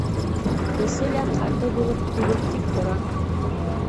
Эсе лә ҡаты булып күбеп тик тора.